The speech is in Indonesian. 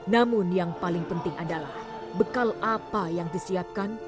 namun yang paling penting adalah bekal apa yang disiapkan